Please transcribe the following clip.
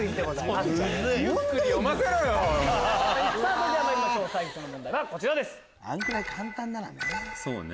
それではまいりましょう最初の問題はこちらです！